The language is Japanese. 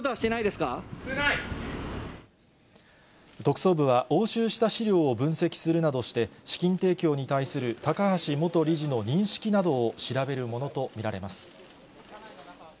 特捜部は押収した資料を分析するなどして、資金提供に対する高橋元理事の認識などを調べるものと見られます。